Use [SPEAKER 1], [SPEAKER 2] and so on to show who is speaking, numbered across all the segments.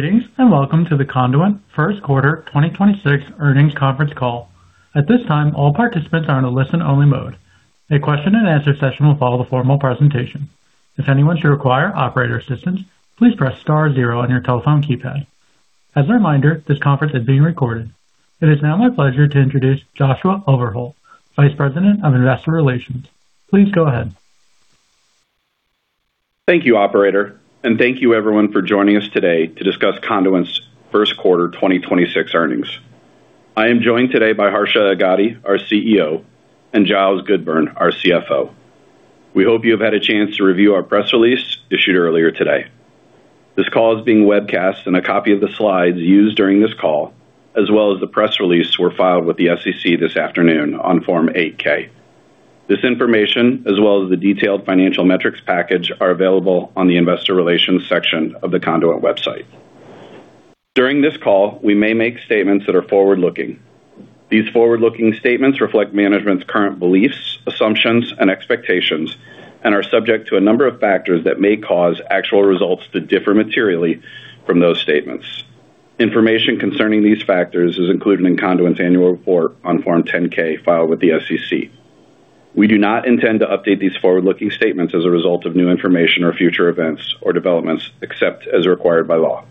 [SPEAKER 1] Greetings, welcome to the Conduent 1st quarter 2026 earnings conference call. At this time, all participants are in a listen-only mode. A question and answer session will follow the formal presentation. If anyone should require operator assistance, please press star zero on your telephone keypad. As a reminder, this conference is being recorded. It is now my pleasure to introduce Joshua Overholt, Vice President of Investor Relations. Please go ahead.
[SPEAKER 2] Thank you, operator. Thank you everyone for joining us today to discuss Conduent's first quarter 2026 earnings. I am joined today by Harsha Agadi, our CEO, and Giles Goodburn, our CFO. We hope you have had a chance to review our press release issued earlier today. This call is being webcast. A copy of the slides used during this call, as well as the press release, were filed with the SEC this afternoon on Form 8-K. This information, as well as the detailed financial metrics package, are available on the investor relations section of the Conduent website. During this call, we may make statements that are forward-looking. These forward-looking statements reflect management's current beliefs, assumptions, and expectations and are subject to a number of factors that may cause actual results to differ materially from those statements. Information concerning these factors is included in Conduent's Annual Report on Form 10-K filed with the SEC. We do not intend to update these forward-looking statements as a result of new information or future events or developments, except as required by law.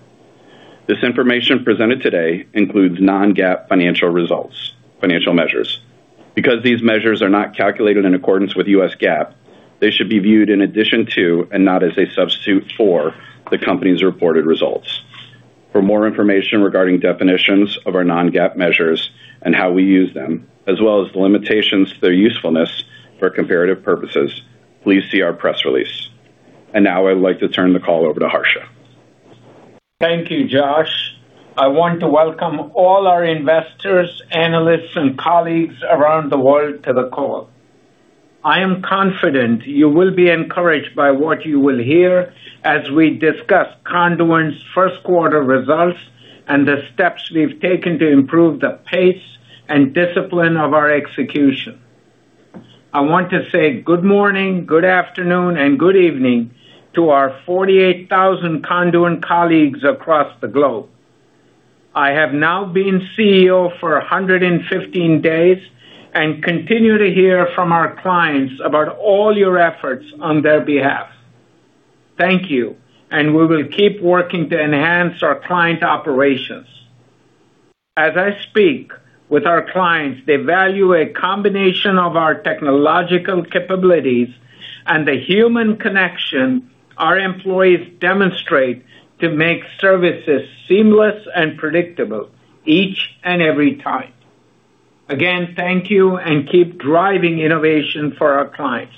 [SPEAKER 2] This information presented today includes non-GAAP financial results, financial measures. Because these measures are not calculated in accordance with U.S. GAAP, they should be viewed in addition to, and not as a substitute for, the company's reported results. For more information regarding definitions of our non-GAAP measures and how we use them, as well as the limitations to their usefulness for comparative purposes, please see our press release. Now I'd like to turn the call over to Harsha.
[SPEAKER 3] Thank you, Josh. I want to welcome all our investors, analysts, and colleagues around the world to the call. I am confident you will be encouraged by what you will hear as we discuss Conduent's first quarter results and the steps we've taken to improve the pace and discipline of our execution. I want to say good morning, good afternoon, and good evening to our 48,000 Conduent colleagues across the globe. I have now been CEO for 115 days and continue to hear from our clients about all your efforts on their behalf. Thank you, and we will keep working to enhance our client operations. As I speak with our clients, they value a combination of our technological capabilities and the human connection our employees demonstrate to make services seamless and predictable each and every time. Again, thank you, and keep driving innovation for our clients.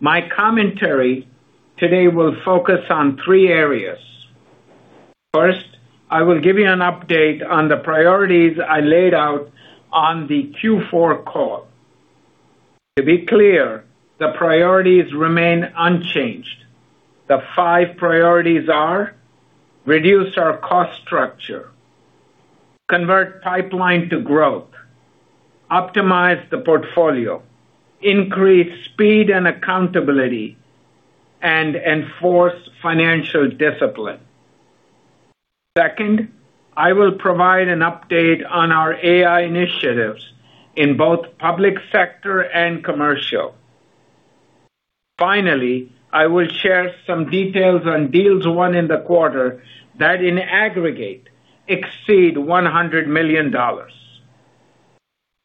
[SPEAKER 3] My commentary today will focus on three areas. First, I will give you an update on the priorities I laid out on the Q4 call. To be clear, the priorities remain unchanged. The five priorities are reduce our cost structure, convert pipeline to growth, optimize the portfolio, increase speed and accountability, and enforce financial discipline. Second, I will provide an update on our AI initiatives in both public sector and commercial. Finally, I will share some details on deals won in the quarter that in aggregate exceed $100 million.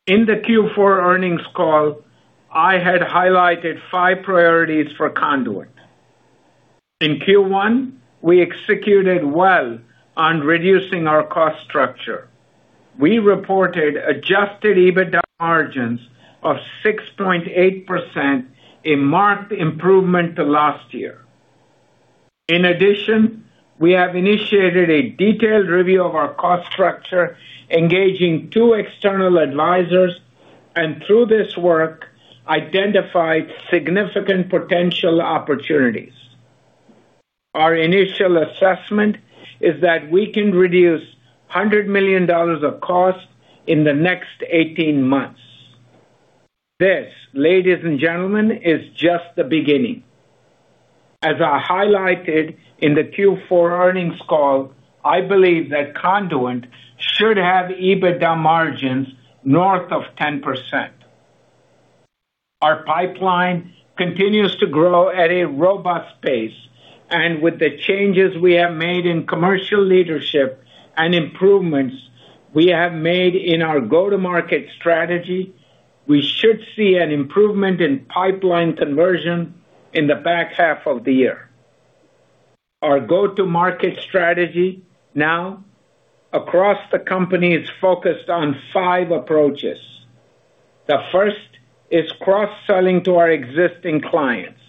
[SPEAKER 3] In the Q4 earnings call, I had highlighted five priorities for Conduent. In Q1, we executed well on reducing our cost structure. We reported Adjusted EBITDA margins of 6.8%, a marked improvement to last year. In addition, we have initiated a detailed review of our cost structure, engaging two external advisors, and through this work, identified significant potential opportunities. Our initial assessment is that we can reduce $100 million of cost in the next 18 months. This, ladies and gentlemen, is just the beginning. As I highlighted in the Q4 earnings call, I believe that Conduent should have EBITDA margins north of 10%. Our pipeline continues to grow at a robust pace, and with the changes we have made in commercial leadership and improvements we have made in our go-to-market strategy, we should see an improvement in pipeline conversion in the back half of the year. Our go-to-market strategy now across the company is focused on five approaches. The first is cross-selling to our existing clients.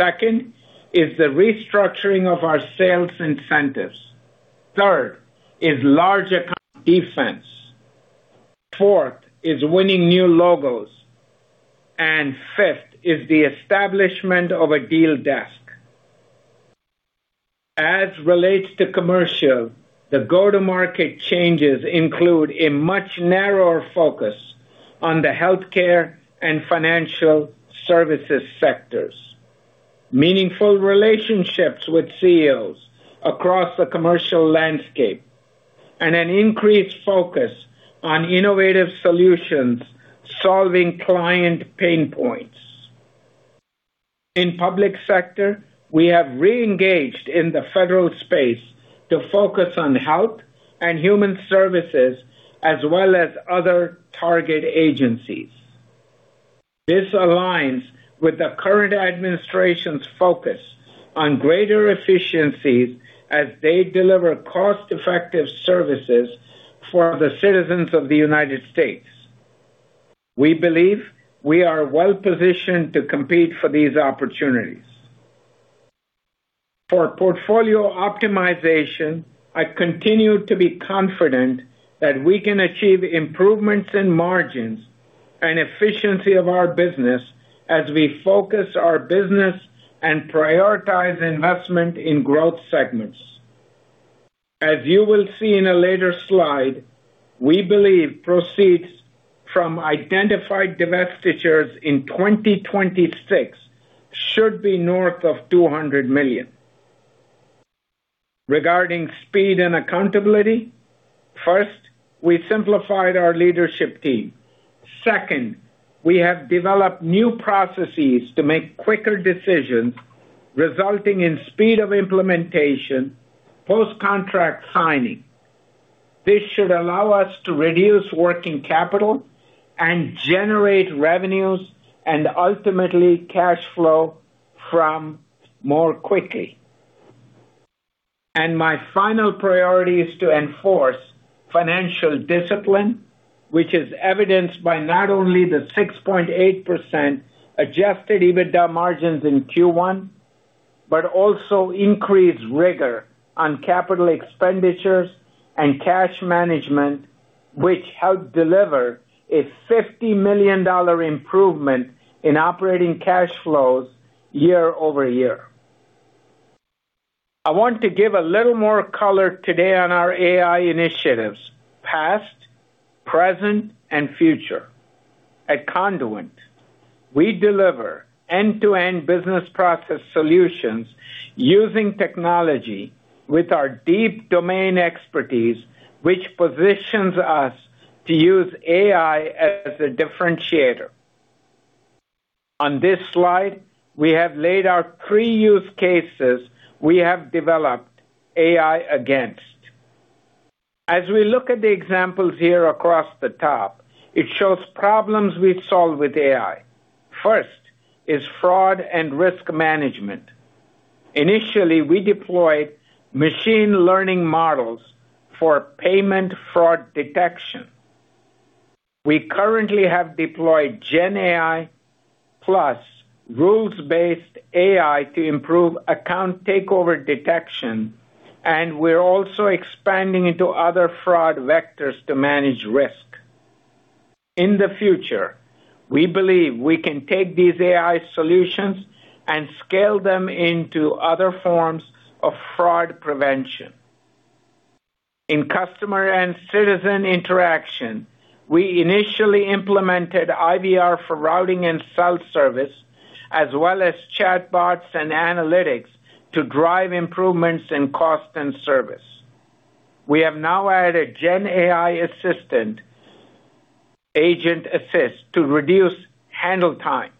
[SPEAKER 3] Second is the restructuring of our sales incentives. Third is large account defense. Fourth is winning new logos. Fifth is the establishment of a deal desk. As relates to commercial, the go-to-market changes include a much narrower focus on the healthcare and financial services sectors. Meaningful relationships with CEOs across the commercial landscape and an increased focus on innovative solutions solving client pain points. In public sector, we have re-engaged in the federal space to focus on health and human services as well as other target agencies. This aligns with the current administration's focus on greater efficiencies as they deliver cost-effective services for the citizens of the United States. We believe we are well-positioned to compete for these opportunities. For portfolio optimization, I continue to be confident that we can achieve improvements in margins and efficiency of our business as we focus our business and prioritize investment in growth segments. As you will see in a later slide, we believe proceeds from identified divestitures in 2026 should be north of $200 million. Regarding speed and accountability, first, we simplified our leadership team. Second, we have developed new processes to make quicker decisions resulting in speed of implementation, post-contract timing. This should allow us to reduce working capital and generate revenues and ultimately cash flow from more quickly. My final priority is to enforce financial discipline, which is evidenced by not only the 6.8% Adjusted EBITDA margins in Q1, but also increased rigor on capital expenditures and cash management, which helped deliver a $50 million improvement in operating cash flows year-over-year. I want to give a little more color today on our AI initiatives, past, present, and future. At Conduent, we deliver end-to-end business process solutions using technology with our deep domain expertise, which positions us to use AI as a differentiator. On this slide, we have laid out three use cases we have developed AI against. As we look at the examples here across the top, it shows problems we've solved with AI. First is fraud and risk management. Initially, we deployed machine learning models for payment fraud detection. We currently have deployed GenAI plus rules-based AI to improve account takeover detection, and we're also expanding into other fraud vectors to manage risk. In the future, we believe we can take these AI solutions and scale them into other forms of fraud prevention. In customer and citizen interaction, we initially implemented IVR for routing and self-service as well as chatbots and analytics to drive improvements in cost and service. We have now added GenAI assistant agent assist to reduce handle time.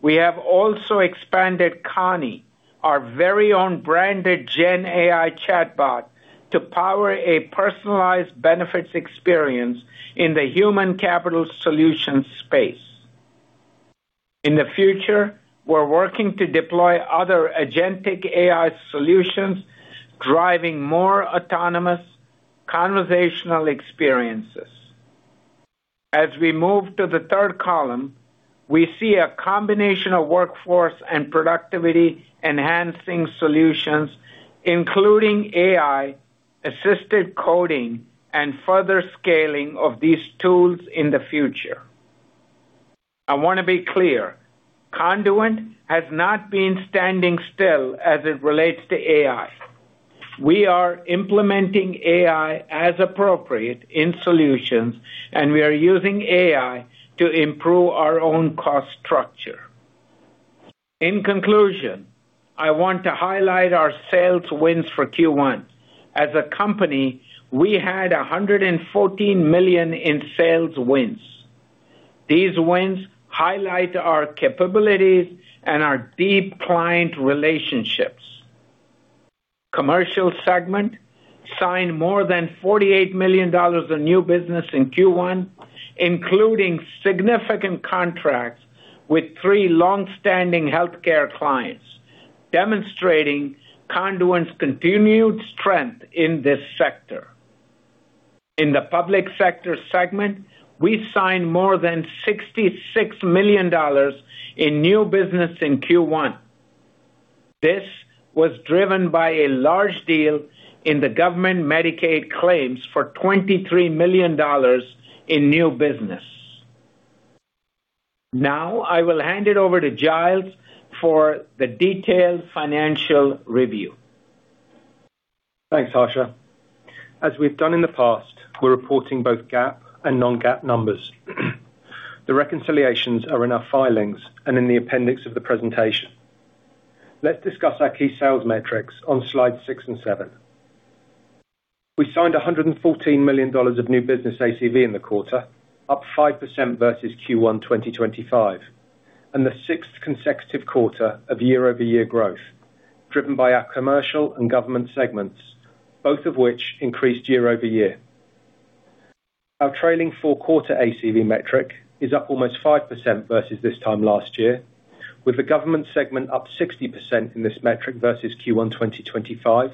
[SPEAKER 3] We have also expanded Conni, our very own branded GenAI chatbot, to power a personalized benefits experience in the Human Capital Solutions space. In the future, we're working to deploy other agentic AI solutions, driving more autonomous conversational experiences. As we move to the third column, we see a combination of workforce and productivity-enhancing solutions, including AI-assisted coding and further scaling of these tools in the future. I wanna be clear, Conduent has not been standing still as it relates to AI. We are implementing AI as appropriate in solutions, and we are using AI to improve our own cost structure. In conclusion, I want to highlight our sales wins for Q1. As a company, we had $114 million in sales wins. These wins highlight our capabilities and our deep client relationships. Commercial segment signed more than $48 million of new business in Q1, including significant contracts with three long-standing healthcare clients, demonstrating Conduent's continued strength in this sector. In the Public Sector segment, we signed more than $66 million in new business in Q1. This was driven by a large deal in the government Medicaid claims for $23 million in new business. Now, I will hand it over to Giles for the detailed financial review.
[SPEAKER 4] Thanks, Harsha. As we've done in the past, we're reporting both GAAP and non-GAAP numbers. The reconciliations are in our filings and in the appendix of the presentation. Let's discuss our key sales metrics on slide six and seven. We signed $114 million of new business ACV in the quarter, up 5% versus Q1 2025, and the sixth consecutive quarter of year-over-year growth, driven by our Commercial and Government segments, both of which increased year-over-year. Our trailing four quarter ACV metric is up almost 5% versus this time last year, with the Government segment up 60% in this metric versus Q1 2025,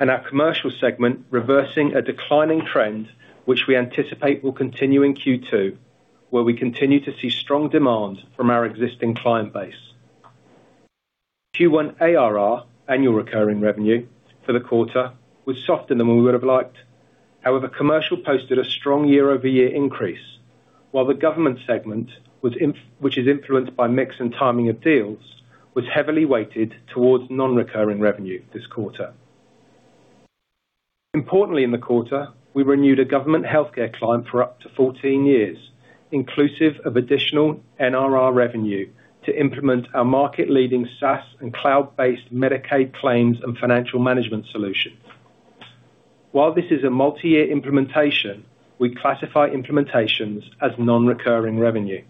[SPEAKER 4] and our Commercial segment reversing a declining trend which we anticipate will continue in Q2, where we continue to see strong demand from our existing client base. Q1 ARR, annual recurring revenue, for the quarter was softer than we would have liked. However, Commercial posted a strong year-over-year increase, while the Government segment was inf-- which is influenced by mix and timing of deals, was heavily weighted towards non-recurring revenue this quarter. Importantly in the quarter, we renewed a government healthcare client for up to 14 years, inclusive of additional NRR revenue to implement our market-leading SaaS and cloud-based Medicaid claims and financial management solution. While this is a multi-year implementation, we classify implementations as non-recurring revenue.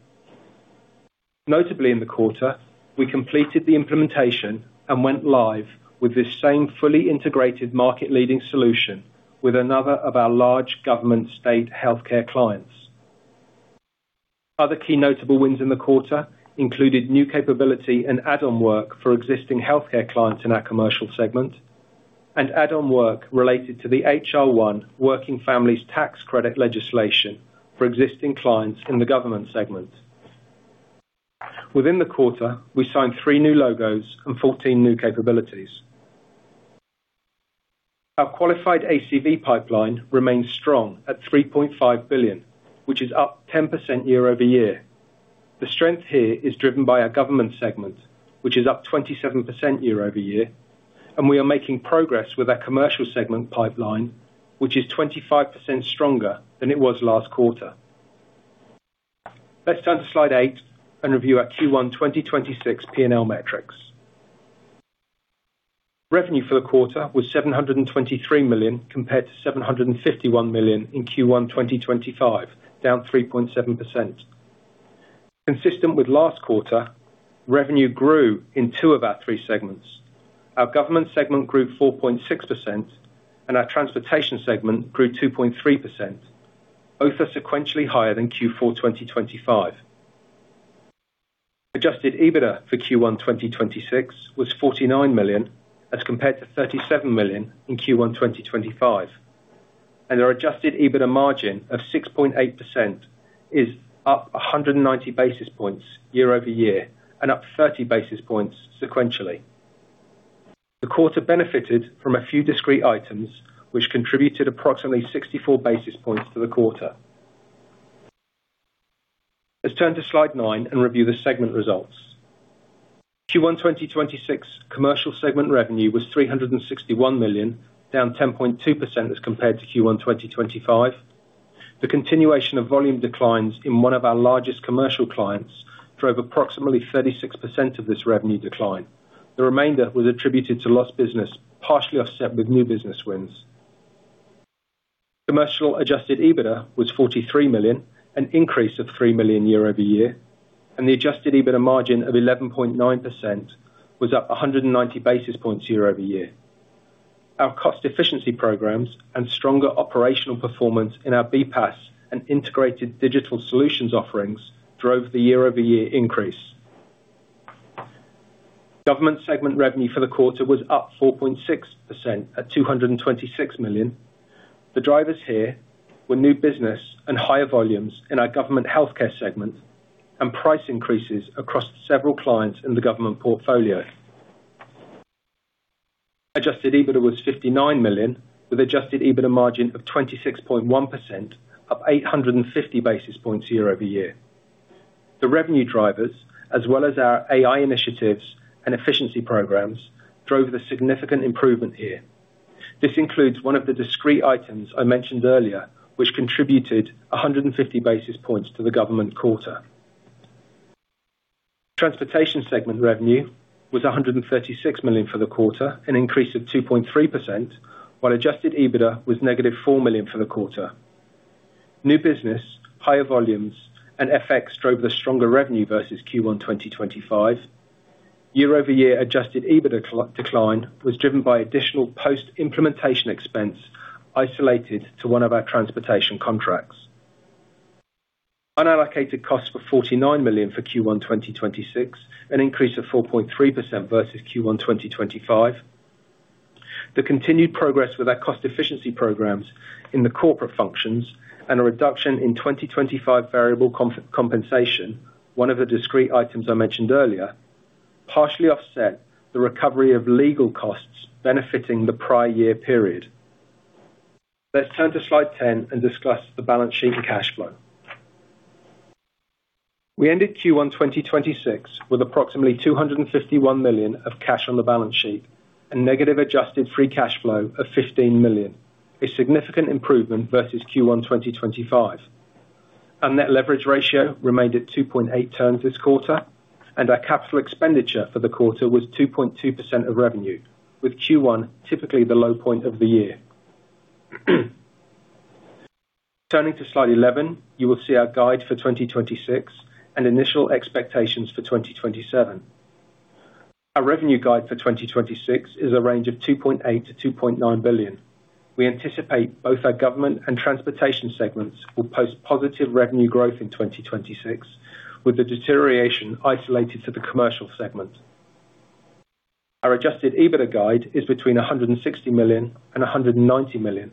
[SPEAKER 4] Notably in the quarter, we completed the implementation and went live with this same fully integrated market-leading solution with another of our large government state healthcare clients. Other key notable wins in the quarter included new capability and add-on work for existing healthcare clients in our Commercial segment, and add-on work related to the H.R. 1 Working Families Tax Credit legislation for existing clients in the Government segment. Within the quarter, we signed three new logos and 14 new capabilities. Our qualified ACV pipeline remains strong at $3.5 billion, which is up 10% year-over-year. The strength here is driven by our Government segment, which is up 27% year-over-year, and we are making progress with our Commercial segment pipeline, which is 25% stronger than it was last quarter. Let's turn to slide eight and review our Q1 2026 P&L metrics. Revenue for the quarter was $723 million compared to $751 million in Q1 2025, down 3.7%. Consistent with last quarter, revenue grew in two of our three segments. Our Government segment grew 4.6% and our Transportation segment grew 2.3%. Both are sequentially higher than Q4 2025. Adjusted EBITDA for Q1 2026 was $49 million as compared to $37 million in Q1 2025. Our Adjusted EBITDA margin of 6.8% is up 190 basis points year-over-year and up 30 basis points sequentially. The quarter benefited from a few discrete items which contributed approximately 64 basis points to the quarter. Let's turn to slide nine and review the segment results. Q1 2026 Commercial segment revenue was $361 million, down 10.2% as compared to Q1 2025. The continuation of volume declines in one of our largest commercial clients drove approximately 36% of this revenue decline. The remainder was attributed to lost business, partially offset with new business wins. Commercial Adjusted EBITDA was $43 million, an increase of $3 million year-over-year, and the Adjusted EBITDA margin of 11.9% was up 190 basis points year-over-year. Our cost efficiency programs and stronger operational performance in our BPaaS and Integrated Digital Solutions offerings drove the year-over-year increase. Government segment revenue for the quarter was up 4.6% at $226 million. The drivers here were new business and higher volumes in our Government Healthcare segment and price increases across several clients in the government portfolio. Adjusted EBITDA was $59 million, with Adjusted EBITDA margin of 26.1%, up 850 basis points year-over-year. The revenue drivers, as well as our AI initiatives and efficiency programs, drove the significant improvement here. This includes one of the discrete items I mentioned earlier, which contributed 150 basis points to the government quarter. Transportation segment revenue was $136 million for the quarter, an increase of 2.3%, while Adjusted EBITDA was -$4 million for the quarter. New business, higher volumes, FX drove the stronger revenue versus Q1 2025. Year-over-year Adjusted EBITDA decline was driven by additional post-implementation expense isolated to one of our transportation contracts. Unallocated costs were $49 million for Q1 2026, an increase of 4.3% versus Q1 2025. The continued progress with our cost efficiency programs in the corporate functions and a reduction in 2025 variable compensation, one of the discrete items I mentioned earlier, partially offset the recovery of legal costs benefiting the prior year period. Let's turn to slide 10 and discuss the balance sheet and cash flow. We ended Q1 2026 with approximately $251 million of cash on the balance sheet and negative adjusted free cash flow of $15 million, a significant improvement versus Q1 2025. Our net leverage ratio remained at 2.8x this quarter, and our capital expenditure for the quarter was 2.2% of revenue, with Q1 typically the low point of the year. Turning to slide 11, you will see our guide for 2026 and initial expectations for 2027. Our revenue guide for 2026 is a range of $2.8 billion-$2.9 billion. We anticipate both our Government and Transportation segments will post positive revenue growth in 2026, with the deterioration isolated to the Commercial segment. Our Adjusted EBITDA guide is between $160 million and $190 million.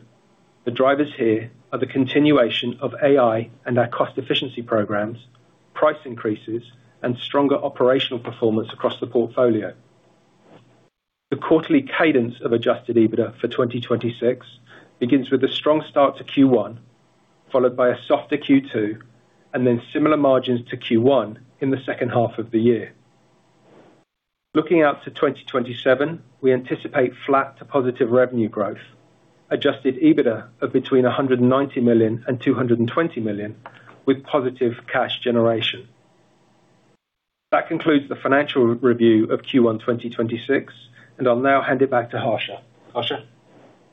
[SPEAKER 4] The drivers here are the continuation of AI and our cost efficiency programs, price increases, and stronger operational performance across the portfolio. The quarterly cadence of Adjusted EBITDA for 2026 begins with a strong start to Q1, followed by a softer Q2, and then similar margins to Q1 in the second half of the year. Looking out to 2027, we anticipate flat to positive revenue growth, Adjusted EBITDA of between $190 million and $220 million with positive cash generation. That concludes the financial review of Q1 2026, and I'll now hand it back to Harsha. Harsha?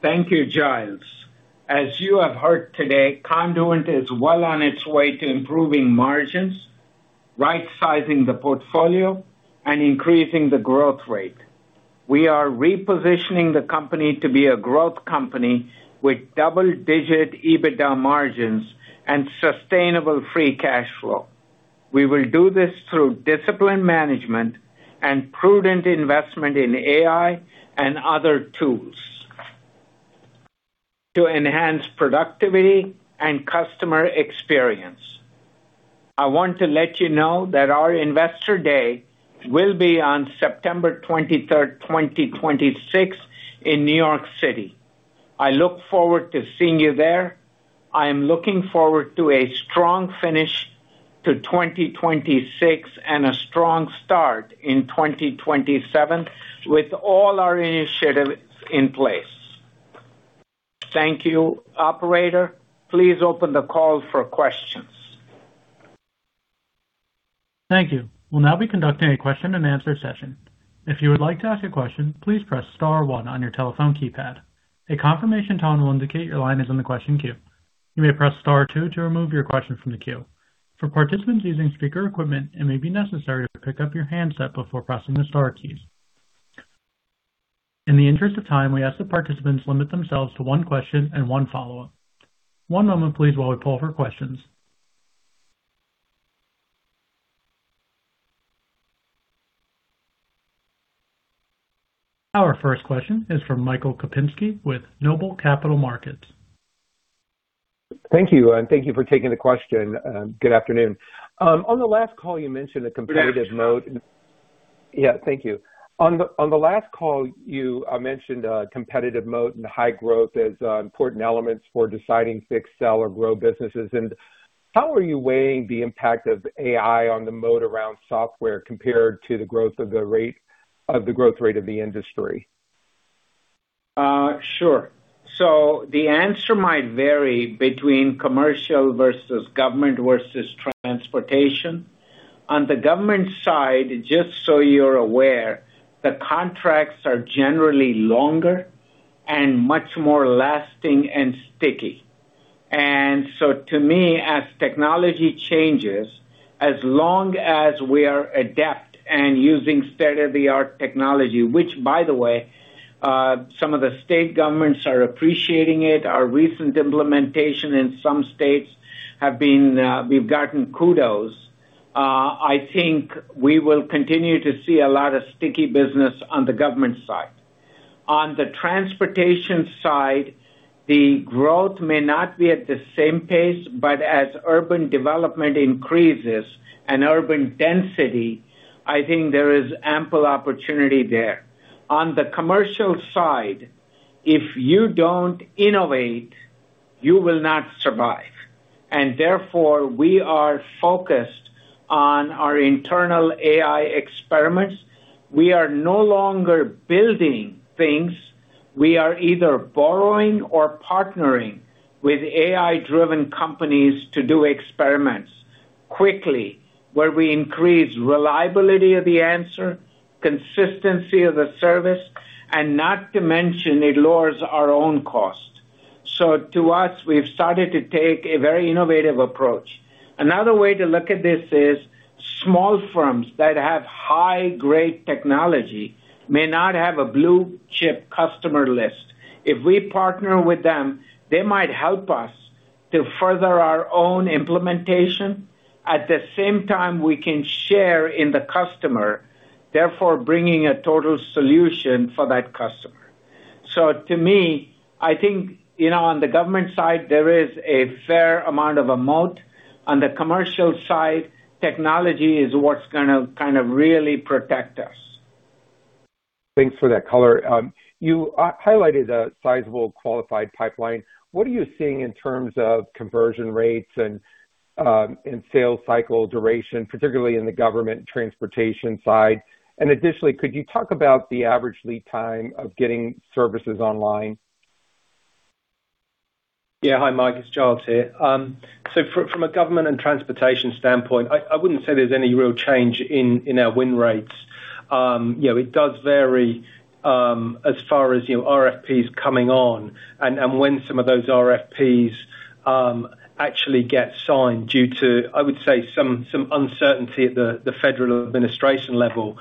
[SPEAKER 3] Thank you, Giles. As you have heard today, Conduent is well on its way to improving margins, right-sizing the portfolio, and increasing the growth rate. We are repositioning the company to be a growth company with double-digit EBITDA margins and sustainable free cash flow. We will do this through disciplined management and prudent investment in AI and other tools to enhance productivity and customer experience. I want to let you know that our Investor Day will be on September 23rd, 2026 in New York City. I look forward to seeing you there. I am looking forward to a strong finish to 2026 and a strong start in 2027 with all our initiatives in place. Thank you. Operator, please open the call for questions.
[SPEAKER 1] Thank you. We'll now be conducting a question and answer session. If you would like to ask a question, please press star one on your telephone keypad. A confirmation tone will indicate your line is in the question queue. You may press star two to remove your question from the queue. For participants using speaker equipment, it may be necessary to pick up your handset before pressing the star keys. In the interest of time, we ask that participants limit themselves to one question and one follow-up. One moment, please, while we poll for questions. Our first question is from Michael Kupinski with Noble Capital Markets.
[SPEAKER 5] Thank you, thank you for taking the question. Good afternoon. On the last call, you mentioned a competitive moat. Yeah, thank you. On the last call, you mentioned competitive moat and high growth as important elements for deciding fix, sell, or grow businesses. How are you weighing the impact of AI on the moat around software compared to the growth rate of the industry?
[SPEAKER 3] Sure. The answer might vary between Commercial versus Government versus Transportation. On the government side, just so you're aware, the contracts are generally longer and much more lasting and sticky. To me, as technology changes, as long as we are adept in using state-of-the-art technology, which by the way, some of the state governments are appreciating it. Our recent implementation in some states have been, we've gotten kudos. I think we will continue to see a lot of sticky business on the government side. On the transportation side, the growth may not be at the same pace, but as urban development increases and urban density, I think there is ample opportunity there. On the commercial side, if you don't innovate, you will not survive. We are focused on our internal AI experiments. We are no longer building things. We are either borrowing or partnering with AI-driven companies to do experiments quickly where we increase reliability of the answer, consistency of the service, and not to mention it lowers our own cost. To us, we've started to take a very innovative approach. Another way to look at this is small firms that have high-grade technology may not have a blue chip customer list. If we partner with them, they might help us to further our own implementation. At the same time, we can share in the customer, therefore bringing a total solution for that customer. To me, I think, you know, on the government side, there is a fair amount of a moat. On the commercial side, technology is what's gonna kind of really protect us.
[SPEAKER 5] Thanks for that color. You highlighted a sizable qualified pipeline. What are you seeing in terms of conversion rates and sales cycle duration, particularly in the government transportation side? Additionally, could you talk about the average lead time of getting services online?
[SPEAKER 4] Hi, Michael, it's Giles here. From a government and transportation standpoint, I wouldn't say there's any real change in our win rates. You know, it does vary, as far as, you know, RFPs coming on and when some of those RFPs actually get signed due to, I would say, some uncertainty at the federal administration level,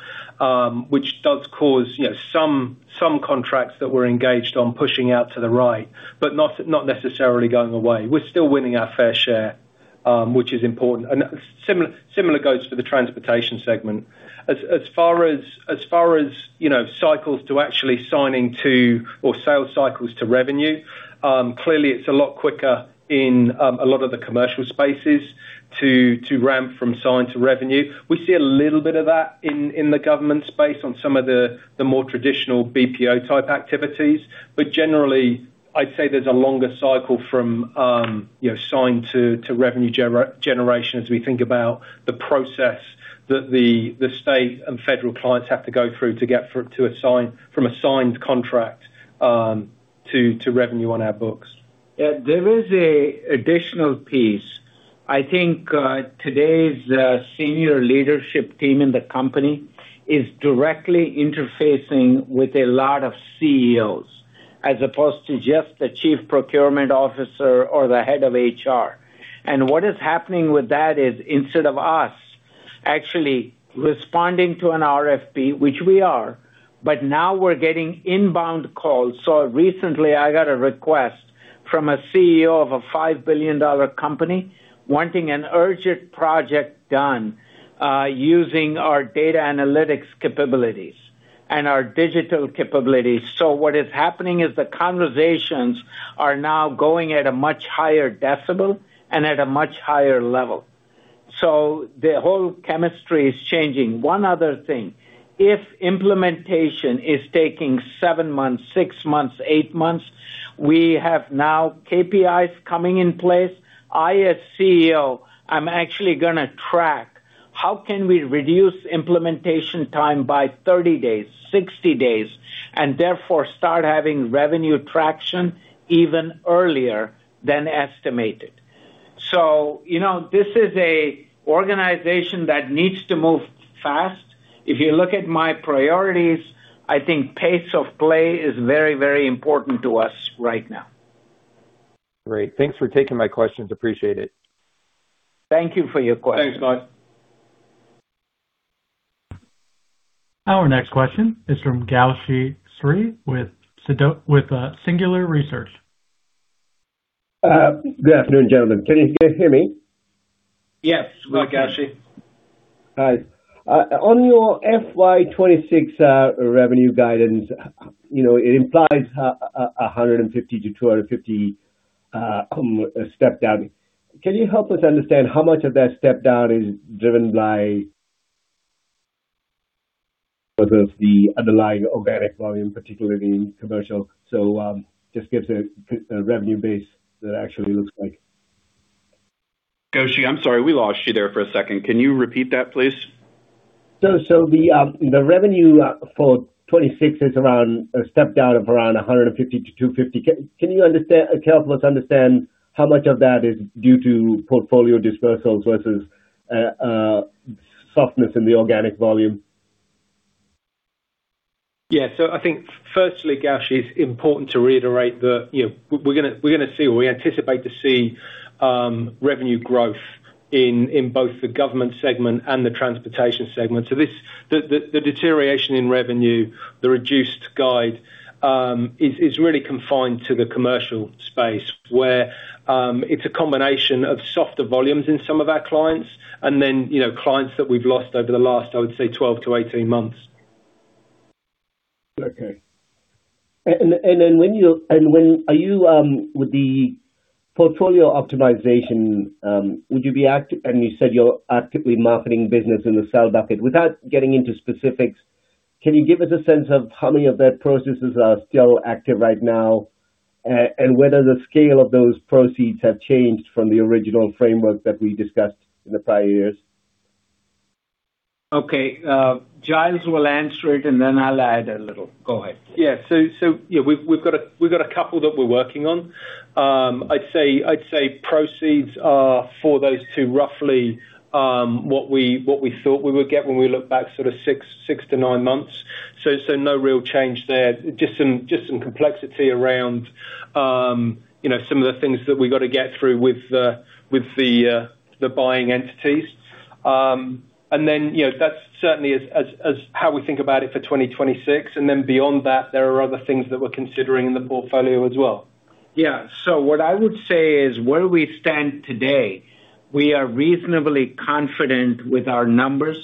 [SPEAKER 4] which does cause, you know, some contracts that we're engaged on pushing out to the right, but not necessarily going away. We're still winning our fair share, which is important. Similar, similar goes for the Transportation segment. As far as, you know, cycles to actually signing to or sales cycles to revenue, clearly it's a lot quicker in a lot of the commercial spaces to ramp from sign to revenue. We see a little bit of that in the government space on some of the more traditional BPO type activities. Generally, I'd say there's a longer cycle from, you know, sign to revenue generation as we think about the process that the state and federal clients have to go through to get to assign from assigned contract to revenue on our books.
[SPEAKER 3] There is an additional piece. I think today's senior leadership team in the company is directly interfacing with a lot of CEOs, as opposed to just the Chief Procurement Officer or the Head of HR. What is happening with that is instead of us actually responding to an RFP, which we are, but now we're getting inbound calls. Recently I got a request from a CEO of a $5 billion company wanting an urgent project done, using our data analytics capabilities and our digital capabilities. What is happening is the conversations are now going at a much higher decibel and at a much higher level. The whole chemistry is changing. One other thing, if implementation is taking seven months, six months, eight months, we have now KPIs coming in place. I, as CEO, I'm actually gonna track how can we reduce implementation time by 30 days, 60 days, and therefore start having revenue traction even earlier than estimated. You know, this is a organization that needs to move fast. If you look at my priorities, I think pace of play is very, very important to us right now.
[SPEAKER 5] Great. Thanks for taking my questions. Appreciate it.
[SPEAKER 3] Thank you for your question.
[SPEAKER 4] Thanks, Mike.
[SPEAKER 1] Our next question is from Gowshi Sri with Singular Research.
[SPEAKER 6] Good afternoon, gentlemen. Can you guys hear me?
[SPEAKER 3] Yes.
[SPEAKER 4] Go ahead, Gowshi.
[SPEAKER 6] All right. On your FY 2026 revenue guidance, you know, it implies a $150-$250 step down. Can you help us understand how much of that step down is driven by sort of the underlying organic volume, particularly in commercial? Just give us a revenue base actually looks like.
[SPEAKER 4] Gowshi, I'm sorry, we lost you there for a second. Can you repeat that, please?
[SPEAKER 6] The revenue for 2026 is around a step down of around $150-$250. Can you help us understand how much of that is due to portfolio disposal versus softness in the organic volume?
[SPEAKER 4] I think firstly, Gowshi, it's important to reiterate that, you know, we're gonna see or we anticipate to see revenue growth in both the Government segment and the Transportation segment. The deterioration in revenue, the reduced guide, is really confined to the commercial space where it's a combination of softer volumes in some of our clients and then, you know, clients that we've lost over the last, I would say, 12-18 months.
[SPEAKER 6] Okay. Then when you are with the portfolio optimization? You said you're actively marketing business in the sell bucket. Without getting into specifics, can you give us a sense of how many of that processes are still active right now, and whether the scale of those proceeds have changed from the original framework that we discussed in the prior years?
[SPEAKER 3] Okay. Giles will answer it, and then I'll add a little. Go ahead.
[SPEAKER 4] Yeah. You know, we've got a couple that we're working on. I'd say proceeds are for those two roughly what we thought we would get when we look back sort of six to nine months. No real change there. Just some complexity around, you know, some of the things that we've got to get through with the buying entities. You know, that's certainly as how we think about it for 2026. Beyond that, there are other things that we're considering in the portfolio as well.
[SPEAKER 3] Yeah. What I would say is where we stand today, we are reasonably confident with our numbers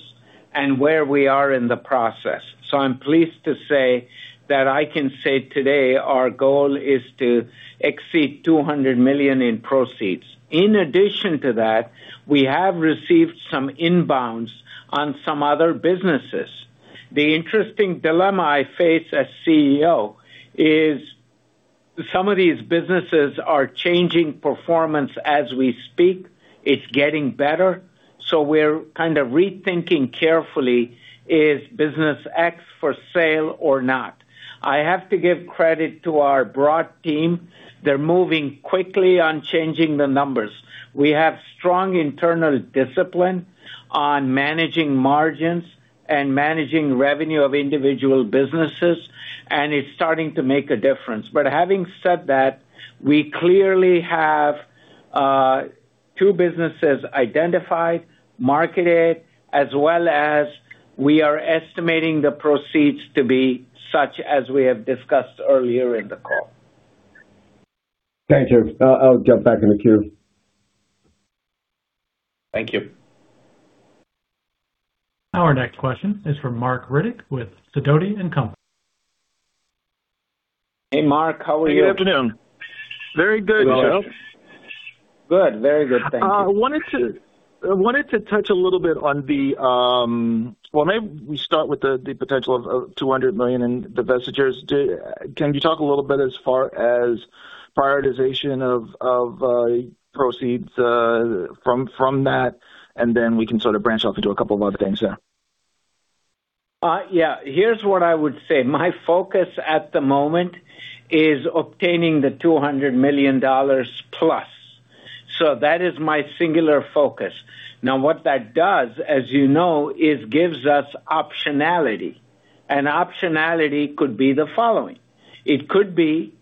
[SPEAKER 3] and where we are in the process. I'm pleased to say that I can say today our goal is to exceed $200 million in proceeds. In addition to that, we have received some inbounds on some other businesses. The interesting dilemma I face as CEO is, some of these businesses are changing performance as we speak. It's getting better. We're kind of rethinking carefully, is business X for sale or not? I have to give credit to our broad team. They're moving quickly on changing the numbers. We have strong internal discipline on managing margins and managing revenue of individual businesses, and it's starting to make a difference. Having said that, we clearly have, two businesses identified, marketed, as well as we are estimating the proceeds to be such as we have discussed earlier in the call.
[SPEAKER 6] Thank you. I'll jump back in the queue.
[SPEAKER 3] Thank you.
[SPEAKER 1] Our next question is from Marc Riddick with Sidoti & Co.
[SPEAKER 3] Hey, Marc, how are you?
[SPEAKER 7] Good afternoon. Very good. Yourself?
[SPEAKER 3] Good. Very good. Thank you.
[SPEAKER 7] Well, maybe we start with the potential of $200 million in divestitures. Can you talk a little bit as far as prioritization of proceeds from that, and then we can sort of branch off into a couple of other things there?
[SPEAKER 3] Yeah. Here's what I would say. My focus at the moment is obtaining the $200 million+. That is my singular focus. Now, what that does, as you know, is gives us optionality. Optionality could be the following. It could be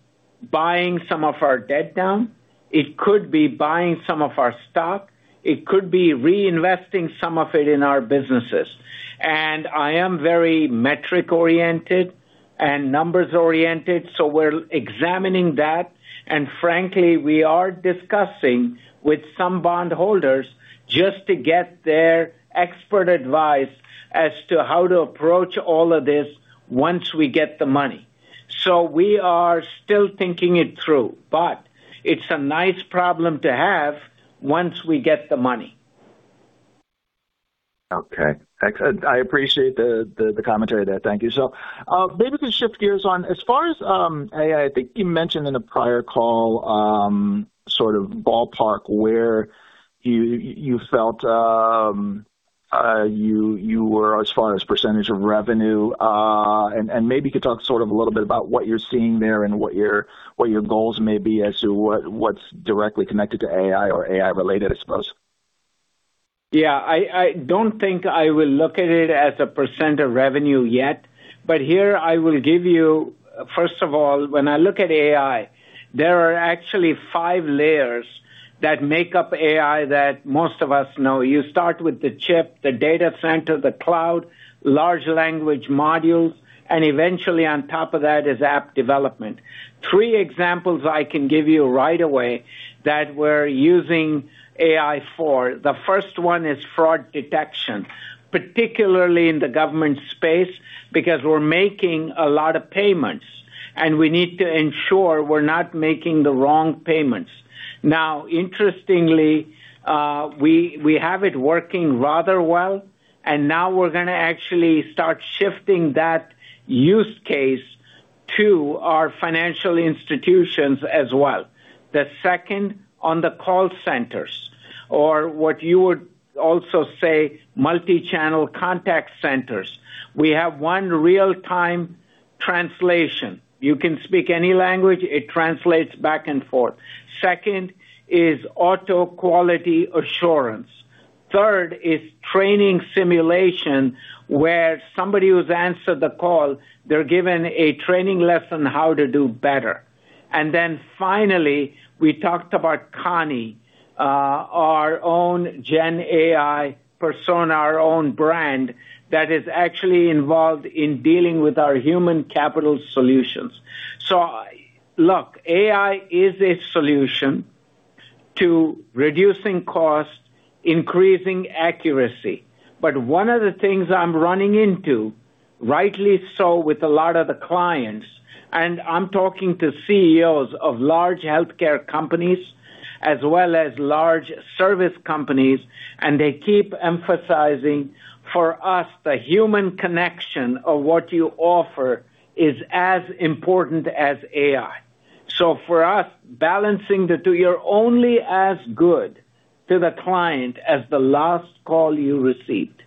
[SPEAKER 3] buying some of our debt down, it could be buying some of our stock, it could be reinvesting some of it in our businesses. I am very metric-oriented and numbers-oriented, so we're examining that. Frankly, we are discussing with some bondholders just to get their expert advice as to how to approach all of this once we get the money. We are still thinking it through, but it's a nice problem to have once we get the money.
[SPEAKER 7] Okay. I appreciate the commentary there. Thank you. Maybe we can shift gears on as far as AI, I think you mentioned in a prior call, sort of ballpark where you felt you were as far as percentage of revenue. And maybe you could talk sort of a little bit about what you're seeing there and what your goals may be as to what's directly connected to AI or AI-related, I suppose.
[SPEAKER 3] Yeah. I don't think I will look at it as a % of revenue yet. Here I will give you, first of all, when I look at AI, there are actually five layers that make up AI that most of us know. You start with the chip, the data center, the cloud, large language models, and eventually on top of that is app development. Three examples I can give you right away that we're using AI for. The first one is fraud detection, particularly in the government space, because we're making a lot of payments, and we need to ensure we're not making the wrong payments. Now, interestingly, we have it working rather well, and now we're gonna actually start shifting that use case to our financial institutions as well. The second, on the call centers or what you would also say multichannel contact centers. We have one real-time translation. You can speak any language, it translates back and forth. Second is auto quality assurance. Third is training simulation, where somebody who's answered the call, they're given a training lesson how to do better. Finally, we talked about Conni, our own GenAI persona, our own brand, that is actually involved in dealing with our Human Capital Solutions. Look, AI is a solution to reducing costs, increasing accuracy. One of the things I'm running into, rightly so, with a lot of the clients, I'm talking to CEOs of large healthcare companies as well as large service companies, they keep emphasizing, for us, the human connection of what you offer is as important as AI. For us, balancing the two, you're only as good to the client as the last call you received.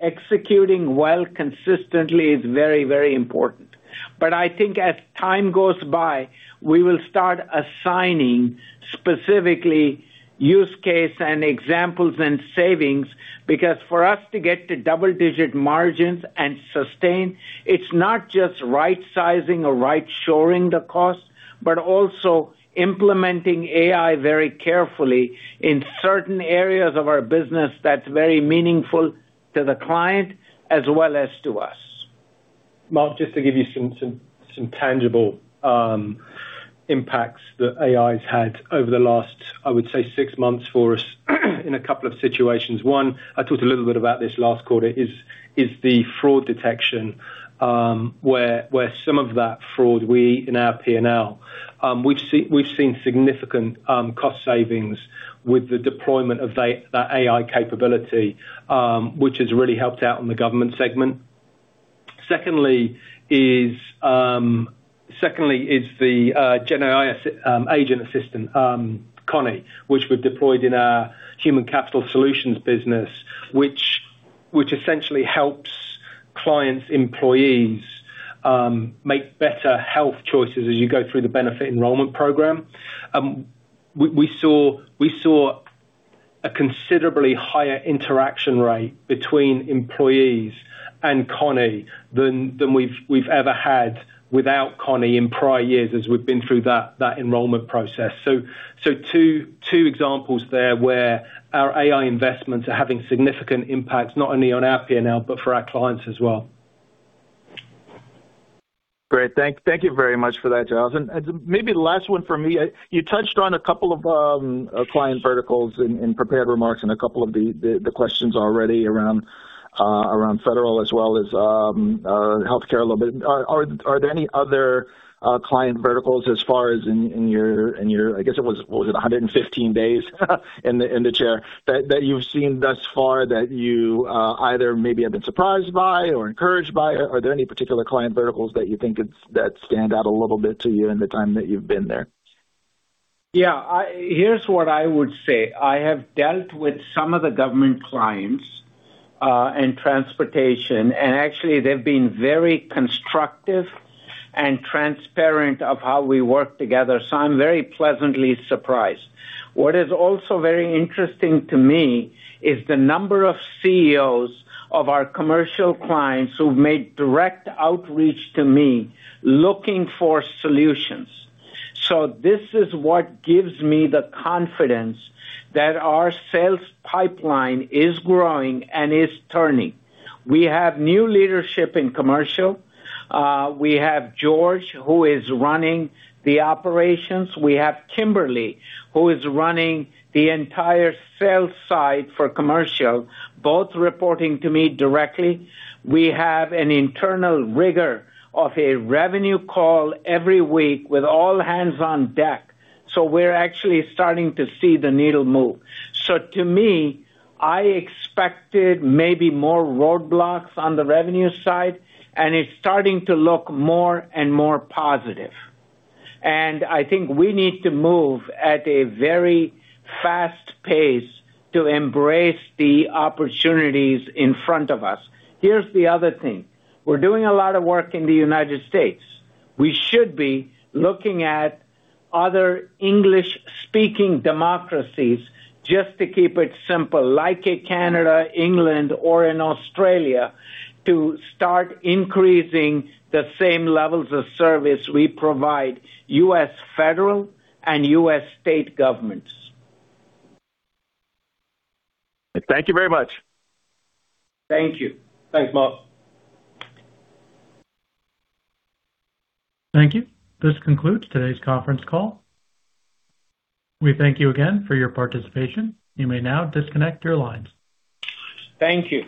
[SPEAKER 3] Executing well consistently is very, very important. I think as time goes by, we will start assigning specifically use case and examples and savings, because for us to get to double-digit margins and sustain, it's not just right-sizing or right-shoring the cost, but also implementing AI very carefully in certain areas of our business that's very meaningful to the client as well as to us.
[SPEAKER 4] Marc, just to give you some tangible impacts that AI's had over the last, I would say, six months for us in a couple of situations. One, I talked a little bit about this last quarter, is the fraud detection, where some of that fraud we, in our P&L, we've seen significant cost savings with the deployment of the AI capability, which has really helped out on the Government segment. Secondly is the GenAI agent assistant, Conni, which we've deployed in our Human Capital Solutions business, which essentially helps clients' employees make better health choices as you go through the benefit enrollment program. We saw a considerably higher interaction rate between employees and Conni than we've ever had without Conni in prior years as we've been through that enrollment process. Two examples there where our AI investments are having significant impacts, not only on our P&L, but for our clients as well.
[SPEAKER 7] Great. Thank you very much for that, Giles. Maybe the last one for me. You touched on a couple of client verticals in prepared remarks and a couple of the questions already around federal as well as healthcare a little bit. Are there any other client verticals as far as in your, I guess, it was 115 days in the chair that you've seen thus far that you either maybe have been surprised by or encouraged by? Are there any particular client verticals that stand out a little bit to you in the time that you've been there?
[SPEAKER 3] Yeah. Here's what I would say. I have dealt with some of the government clients and transportation, and actually, they've been very constructive and transparent of how we work together. I'm very pleasantly surprised. What is also very interesting to me is the number of CEOs of our commercial clients who've made direct outreach to me looking for solutions. This is what gives me the confidence that our sales pipeline is growing and is turning. We have new leadership in commercial. We have George, who is running the operations. We have Kimberly, who is running the entire sales side for commercial, both reporting to me directly. We have an internal rigor of a revenue call every week with all hands on deck. We're actually starting to see the needle move. To me, I expected maybe more roadblocks on the revenue side, and it's starting to look more and more positive. I think we need to move at a very fast pace to embrace the opportunities in front of us. Here's the other thing. We're doing a lot of work in the United States. We should be looking at other English-speaking democracies, just to keep it simple, like in Canada, England, or in Australia, to start increasing the same levels of service we provide U.S. federal and U.S. state governments.
[SPEAKER 7] Thank you very much.
[SPEAKER 3] Thank you.
[SPEAKER 4] Thanks, Marc.
[SPEAKER 1] Thank you. This concludes today's conference call. We thank you again for your participation. You may now disconnect your lines.
[SPEAKER 3] Thank you.